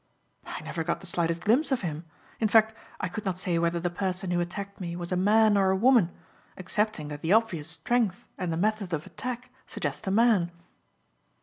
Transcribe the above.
"I never got the slightest glimpse of him; in fact I could not say whether the person who attacked me was a man or a woman excepting that the obvious strength and the method of attack suggest a man."